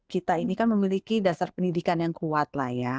kita ini kan memiliki dasar pendidikan yang kuat lah ya